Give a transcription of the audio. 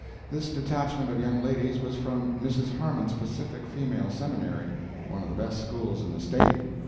This detachment of young ladies was from Mrs. Harmon's Pacific Female Seminary, one of the best schools in the State.